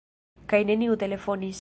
Kaj neniu telefonis.